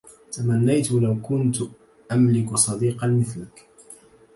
تمنّيت لو كنت أملك صديقا مثلك.